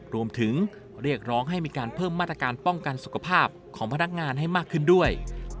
รวมถึงเรียกร้องให้มีการเพิ่มมาตรการป้องกันสุขภาพของพนักงานให้มากขึ้นด้วย